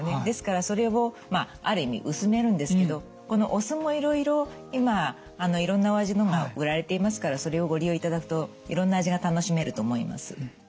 ですからそれをある意味薄めるんですけどこのお酢もいろいろ今いろんなお味のが売られていますからそれをご利用いただくといろんな味が楽しめると思います。